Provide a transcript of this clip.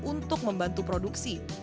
untuk membantu produksi